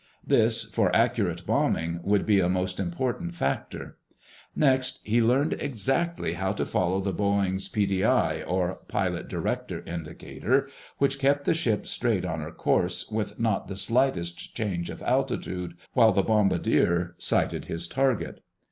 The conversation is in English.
This, for accurate bombing, would be a most important factor. Next, he learned exactly how to follow the Boeing's P. D. I., or pilot director indicator, which kept the ship straight on her course with not the slightest change of altitude, while the bombardier sighted his target.